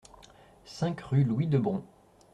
cinq rue Louis Debrons